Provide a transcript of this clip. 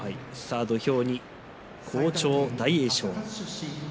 土俵に好調の大栄翔